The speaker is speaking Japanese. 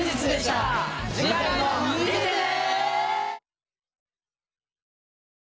次回も見てね！